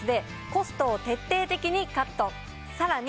さらに。